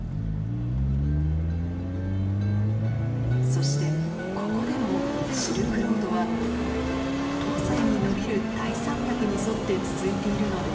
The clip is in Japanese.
そしてここでもシルクロードは東西に延びる大山脈に沿って続いているのです。